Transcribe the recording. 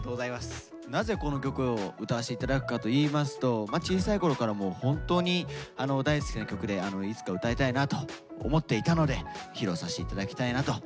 なぜこの曲を歌わせていただくかといいますと小さいころからもう本当に大好きな曲でいつか歌いたいなと思っていたので披露させていただきたいなと思っています。